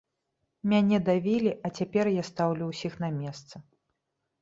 Мяне давілі, а цяпер я стаўлю ўсіх на месца.